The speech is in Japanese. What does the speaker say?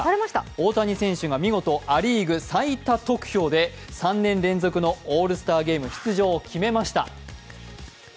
大谷選手が見事、ア・リーグ最多得票で３年連続のオールスターゲーム出場を決めました。